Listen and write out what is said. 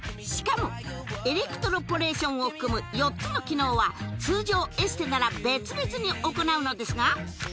しかもエレクトロポレーションを含む４つの機能は通常エステなら別々に行うのですが